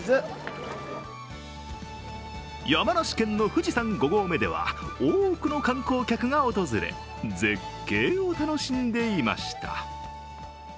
山梨県の富士山５合目では多くの観光客が訪れ絶景を楽しんでいました。